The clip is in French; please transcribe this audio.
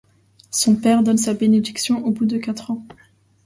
Son père donne sa bénédiction au bout de quatre ans.